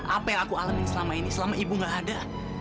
apa yang aku alamin selama ini selama ibu gak ada